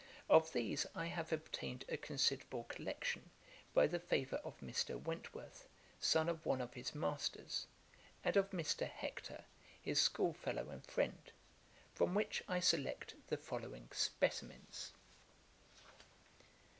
Of these I have obtained a considerable collection, by the favour of Mr. Wentworth, son of one of his masters, and of Mr. Hector, his school fellow and friend; from which I select the following specimens: [Page 51: Johnson's youthful compositions.